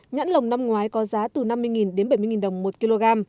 nhãn lồng năm ngoái có giá từ năm mươi đến bảy mươi đồng một kg